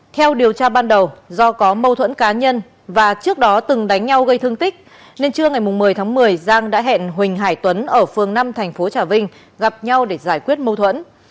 theo điều tra ban đầu do có mâu thuẫn cá nhân và trước đó từng đánh nhau gây thương tích nên trưa ngày một mươi tháng một mươi giang đã hẹn huỳnh hải tuấn ở phường năm thành phố trà vinh gặp nhau để giải quyết mâu thuẫn